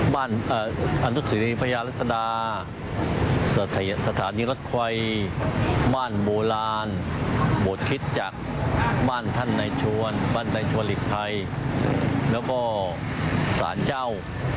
บ้านอนุสิริพยารัฐดาสถานีรัฐควัยบ้านโบราณบทฤษจักรบ้านท่านนายชวนบ้านนายชวนหลีกภัยแล้วก็ศาลเจ้า